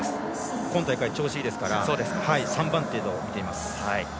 今大会、調子いいですから３番手と見ています。